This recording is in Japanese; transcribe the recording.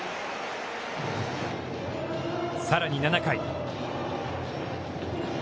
さらに、７回。